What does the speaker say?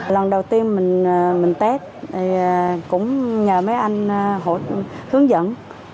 lần đầu tiên mình test cũng nhờ mấy anh hướng dẫn